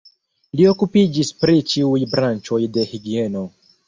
Li okupiĝis pri ĉiuj branĉoj de higieno.